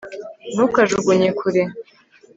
ntukajugunye kure